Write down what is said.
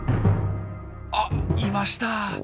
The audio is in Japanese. あっいました。